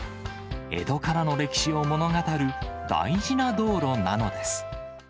江戸からの歴史を物語る、大事な道路なのです。